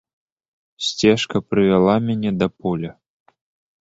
Сцежка прывяла мяне да поля.